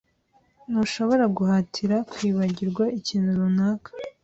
Ntushobora guhatira kwibagirwa ikintu runaka.